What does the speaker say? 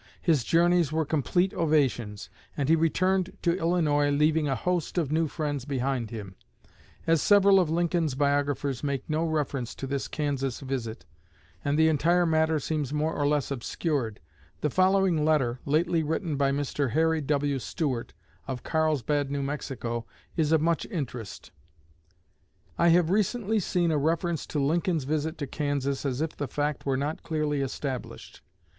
His journeys were complete ovations, and he returned to Illinois leaving a host of new friends behind him. As several of Lincoln's biographers make no reference to his Kansas visit, and the entire matter seems more or less obscured, the following letter, lately written by Mr. Harry W. Stewart, of Carlsbad, New Mexico, is of much interest: "I have recently seen a reference to Lincoln's visit to Kansas as if the fact were not clearly established.